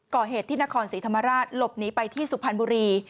ก่อเหตุที่นครศรีธรรมราชหลบหนีไปที่สุพรรณบุรี